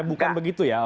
bukan begitu ya